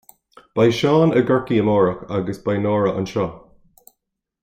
beidh Seán i gCorcaigh amárach, agus beidh Nóra anseo